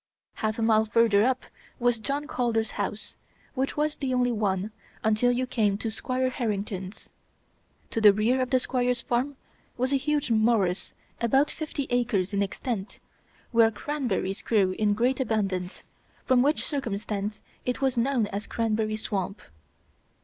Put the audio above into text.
Half a mile further up was John Calder's house, which was the only one until you came to Squire Harrington's. To the rear of the Squire's farm was a huge morass about fifty acres in extent, where cranberries grew in great abundance, from which circumstance it was known as Cranberry Swamp.